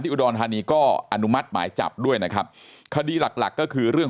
อุดรธานีก็อนุมัติหมายจับด้วยนะครับคดีหลักหลักก็คือเรื่อง